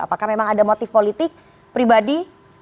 apakah memang ada motif politik pribadi